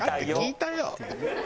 聞いたよ」